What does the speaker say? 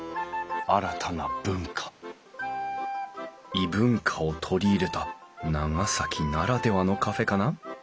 異文化を取り入れた長崎ならではのカフェかな？